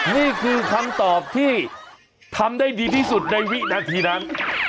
นี่คือคำตอบที่ทำได้ดีที่สุดในวินาทีนั้น